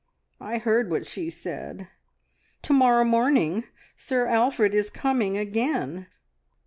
I heard what she said. To morrow morning Sir Alfred is coming again.